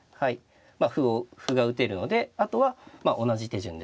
まあ歩が打てるのであとは同じ手順ですね